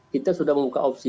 kita sudah membuka opsi